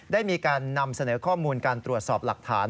ได้มีการนำเสนอข้อมูลการตรวจสอบหลักฐาน